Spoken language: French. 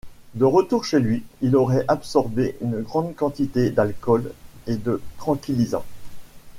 De retour chez lui il aurait absorbé une grande quantité d'alcool et de tranquillisant.